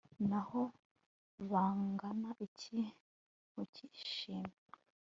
n'aho bangana iki, ntukishime